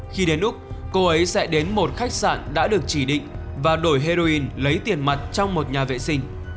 khi đến lúc cô ấy sẽ đến một khách sạn đã được chỉ định và đổi heroin lấy tiền mặt trong một nhà vệ sinh